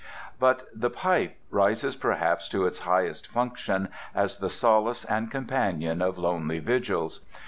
But the pipe rises perhaps to its highest function as the solace and companion of lonely vigils.